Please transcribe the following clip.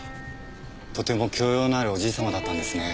とても教養のあるおじいさまだったんですね。